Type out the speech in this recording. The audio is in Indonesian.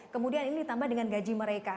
kemudian ini ditambah dengan gaji mereka